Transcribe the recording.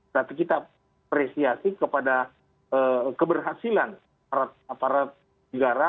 tapi kita apresiasi kepada keberhasilan aparat negara